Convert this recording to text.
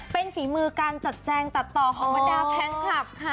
เป็นฝีมือการจัดแจงตัดต่อของบรรดาแฟนคลับค่ะ